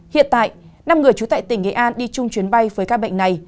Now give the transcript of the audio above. hiện tại năm người trú tại tỉnh nghệ an đi chung chuyến bay với các bệnh này